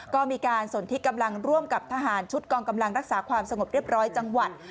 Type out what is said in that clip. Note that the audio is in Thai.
ก็มีการสนที่กำลังร่วมกับทหารชุดกองกำลังรักษาความสงบเรียบร้อยจังหวัด